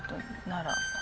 「なら」。